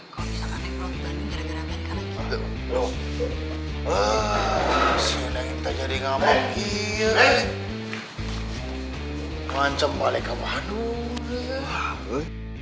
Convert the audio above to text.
kecam balik ke bandung